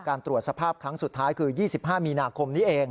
ตรวจสภาพครั้งสุดท้ายคือ๒๕มีนาคมนี้เอง